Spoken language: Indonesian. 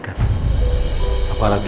saya tidak akan mengizinkan